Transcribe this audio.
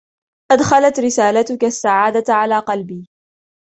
أدخلت رسالتك السعادة على قلبي.